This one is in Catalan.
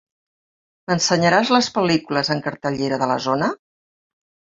M'ensenyaràs les pel·lícules en cartellera de la zona?